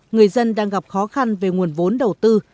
người dân đang gặp khó khăn về nguồn vốn đầu tư